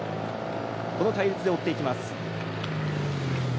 この隊列で追っていきます。